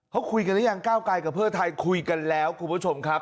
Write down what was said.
เขาคุยกันหรือยังก้าวไกลกับเพื่อไทยคุยกันแล้วคุณผู้ชมครับ